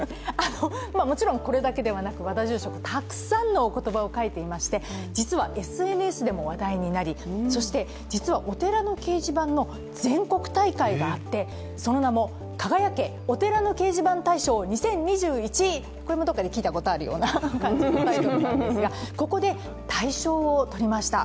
もちろんこれだけではなく和田住職、たくさんのお言葉を書いてまして実はＳＮＳでも話題になりそしてお寺の掲示板の全国大会があってその名も、「輝け！お寺の掲示板大賞２０２１」これもどこかで聞いたことがあるような感じのタイトルなんですがここで大賞を取りました。